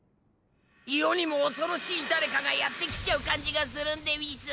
世にも恐ろしい誰かがやってきちゃう感じがするんでうぃす。